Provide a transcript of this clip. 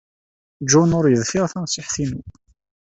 John ur yeḍfir tanṣiḥt-inu.